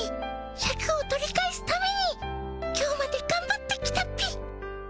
シャクを取り返すために今日までがんばってきたっピ。